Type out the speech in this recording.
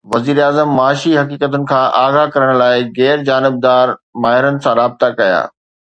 وزيراعظم معاشي حقيقتن کان آگاهه ڪرڻ لاءِ غير جانبدار ماهرن سان رابطا ڪيا